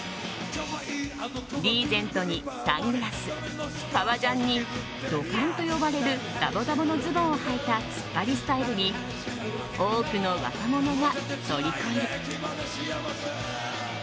リーゼントにサングラス革ジャンにドカンと呼ばれるダボダボのズボンをはいたツッパリスタイルに多くの若者がとりこに。